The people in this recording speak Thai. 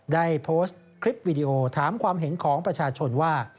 ได้โพสต์คลิปวิดีโอถามความเห็นของประชาชนว่า